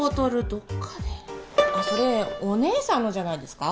どっかであっそれお姉さんのじゃないですか？